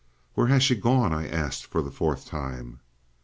"Where has she gone?" I asked for the fourth time.